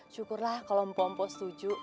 syukurlah kalo mpok mpok setuju